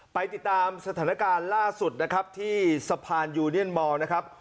ไปติดตามสถานการณ์ล่าสุดนะครับที่สะพานยูเนียนมอลนะครับ